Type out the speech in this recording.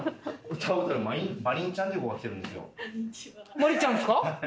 まりんちゃんっすか？